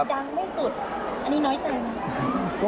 ยังไม่สุดอันนี้น้อยใจไหม